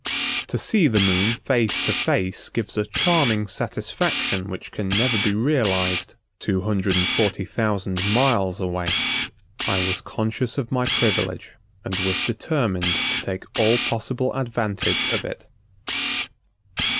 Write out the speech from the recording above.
To see the Moon face to face gives a charming satisfaction which can never be realized two hundred and forty thousand miles away. I was conscious of my privilege and was determined to take all possible advantage of it.